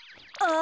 あ。